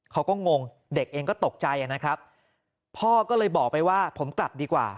งงเด็กเองก็ตกใจนะครับพ่อก็เลยบอกไปว่าผมกลับดีกว่า